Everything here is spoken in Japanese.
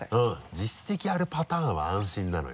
実績あるパターンは安心なのよ。